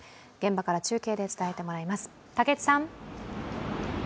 現場から中継で伝えてもらいます。